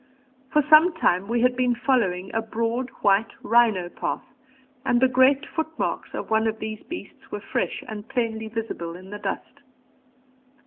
For some time we had been following a broad white rhino path, and the great footmarks, of one of these beasts were fresh and plainly visible in the dust.